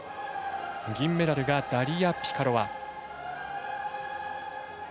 銀メダルがダリア・ピカロワ。